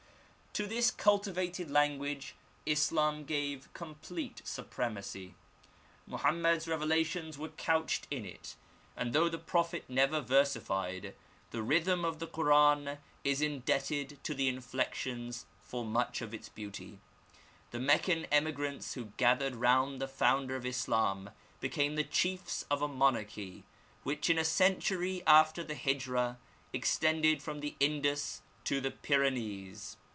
To this cultivated language Islam gave complete supremacy. Mohammed^s revelations were couched in it, and though the Prophet never versified, the rhythm of the Koran is indebted to the inflections for much of its beauty. The Meccan emi grants who gathered round the founder of Islam became the chiefs of a monarchy, which in a century after the Hijra ex tended from the Indus to the Pyrenees.